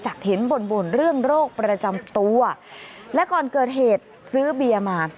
เห็นบ่นบ่นเรื่องโรคประจำตัวและก่อนเกิดเหตุซื้อเบียร์มา